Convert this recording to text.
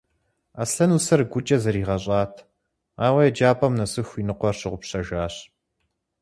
Аслъэн усэр гукӏэ зэригъэщӏат, ауэ еджапӏэм нэсыху и ныкъуэр щыгъупщэжащ.